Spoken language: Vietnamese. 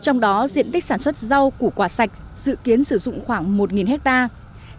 trong đó diện tích sản xuất rau củ quả sạch dự kiến sử dụng khoảng một hectare